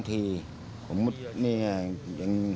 ๒ทีผมมุดเนี่ยยัง